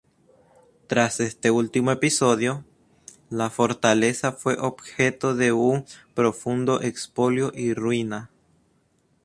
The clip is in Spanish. Tras este último episodio, la fortaleza fue objeto de un profundo expolio y ruina.